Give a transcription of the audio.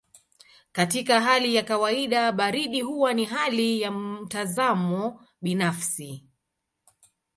Katika hali ya kawaida baridi huwa ni hali ya mtazamo binafsi.